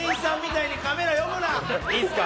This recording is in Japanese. いいっすか？